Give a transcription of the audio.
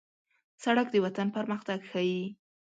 سړک د وطن پرمختګ ښيي.